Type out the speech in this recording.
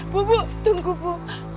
bu bu tunggu bu